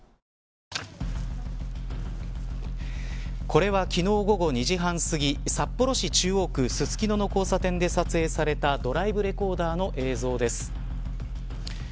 これは、昨日午後２時半すぎ札幌市中央区ススキノの交差点で撮影されたドライブレコーダーの映像です。